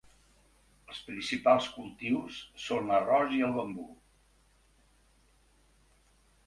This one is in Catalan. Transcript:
Els principals cultius són l'arròs i el bambú.